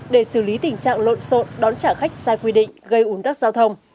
để xử lý tình trạng lộn xộn đón trả khách sai quy định gây ủn tắc giao thông